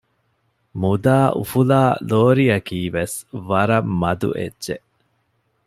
މުދާ އުފުލާ ލޯރިއަކީ ވެސް ވަރަށް މަދު އެއްޗެއް